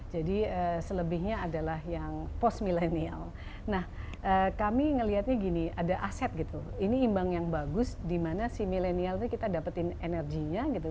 jadi selebihnya adalah yang post millennial nah kami ngelihatnya gini ada aset gitu ini imbang yang bagus dimana si millennial itu kita dapetin energinya gitu